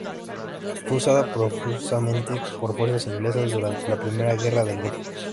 Fue usada profusamente por fuerzas inglesas durante la primera Guerra del Golfo.